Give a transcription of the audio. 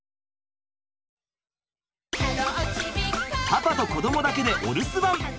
パパと子どもだけでお留守番。